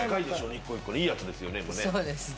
いいやつですよね。